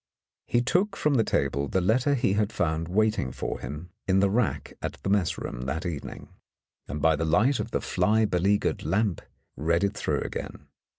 He took from the table the letter he had found waiting for him in the rack at the mess room that evening, and by the light of the fly beleaguered lamp read it through again.